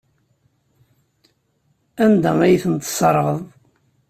Anda ay tent-tesserɣeḍ?